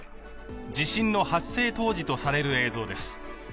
地震の発生当時とされる映像です。